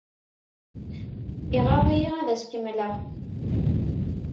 Iɣaḍ-iyi ad as-kemmkeɣ.